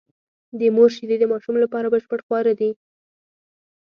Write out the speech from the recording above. د مور شېدې د ماشوم لپاره بشپړ خواړه دي.